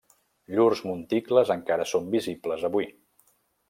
Llurs monticles encara són visibles avui.